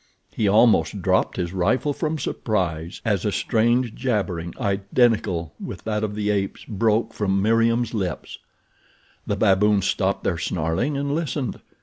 He almost dropped his rifle from surprise as a strange jabbering, identical with that of the apes, broke from Meriem's lips. The baboons stopped their snarling and listened.